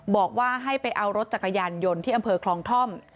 บอกว่าให้ไปเอารถจักรยานยนต์ที่อำเภอคลองท่อม